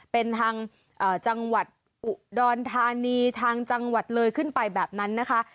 เป็นทางจังหวัดอุดรธานีทางจังหวัดเลยขึ้นไปแบบนั้นนะคะ